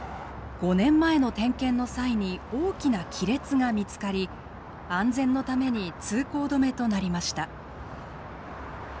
５年前の点検の際に大きな亀裂が見つかり安全のために通行止めとなりました。